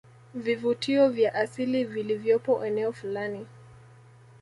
vivuvutio vya asili vilivyopo eneo fulani